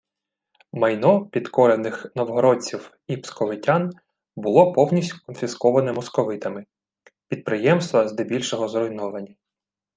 Майно підкорених новгородців і псковитян було повністю конфісковане московитами, підприємства здебільшого зруйновані